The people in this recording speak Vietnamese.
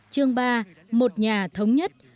chương ba một nhà thống nhất